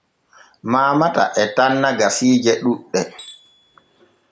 Maamata e tanna gasiije ɗuuɗɗe.